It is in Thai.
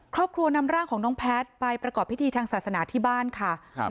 ครอบครัวนำร่างของน้องแพทย์ไปประกอบพิธีทางศาสนาที่บ้านค่ะครับ